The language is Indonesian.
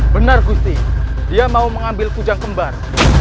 benar gusti dia mau mengambil pujang kembar